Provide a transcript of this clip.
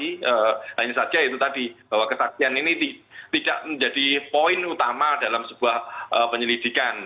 hanya saja itu tadi bahwa kesaksian ini tidak menjadi poin utama dalam sebuah penyelidikan